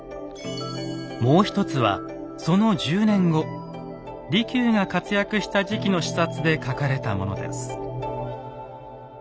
もう一つはその１０年後利休が活躍した時期の視察で書かれたものです。